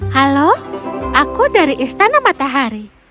halo aku dari istana matahari